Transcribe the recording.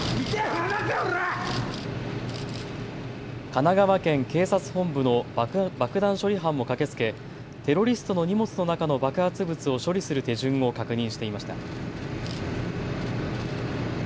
神奈川県警察本部の爆弾処理班も駆けつけテロリストの荷物の中の爆発物を処理する手順を確認していました。